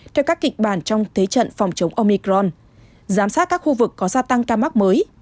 theo các kịch bản trong thế trận phòng chống omicron giám sát các khu vực có gia tăng ca mắc mới